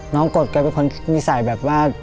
น้องกฎแกเป็นคนภาษานิสัยแบบว่า